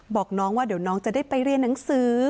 บอกน้องว่าเดี๋ยวน้องจะได้ไปเรียนหนังสือ